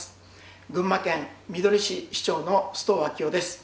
群馬県みどり市市長の須藤昭男です。